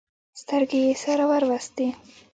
سترګې يې سره ور وستې.